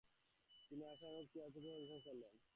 তিনি আশানুরূপ ক্রীড়াশৈলী প্রদর্শন করতে পারেননি।